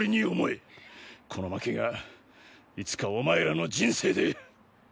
この負けがいつかお前らの人生で。